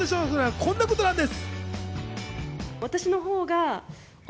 こんなことなんです。